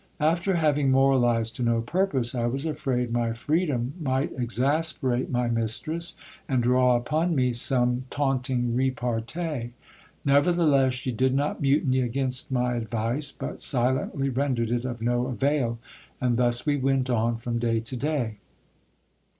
After having moralized to no purpose, I was afraid my freedom might exasperate my mistress, and draw upon me some taunting repartee. Nevertheless she did not mutiny against my advice ; but silently rendered it of no avail, and thus we went on from day to day.